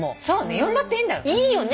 呼んだっていいんだよ。いいよね。